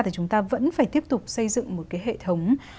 thì chúng ta vẫn phải tiếp tục xây dựng một cái hệ thống